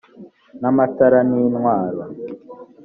n amatara n intwaro